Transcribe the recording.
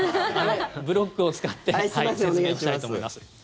ブロックを使って説明したいと思います。